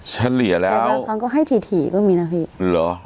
เฉลี่ยแล้วบางครั้งก็ให้ถี่ถี่ก็มีนะพี่เหรอ